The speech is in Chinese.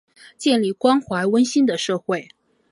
建立关怀温馨的社会